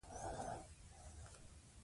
یو به ته هم دې تیارو کي را شریک وای